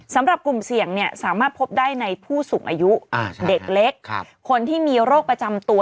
สำหรับกลุ่มเสี่ยงสามารถพบได้ในผู้สูงอายุเด็กเล็กคนที่มีโรคประจำตัว